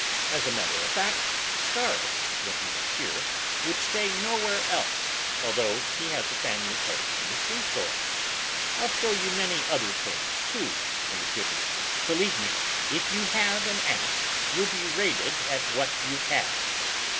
As a matter of fact, Scaurus, when he was here, would stay nowhere else, although he has a family place on the seashore. I'll show you many other things, too, in a jiffy; believe me, if you have an as, you'll be rated at what you have.